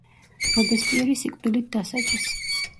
რობესპიერი სიკვდილით დასაჯეს.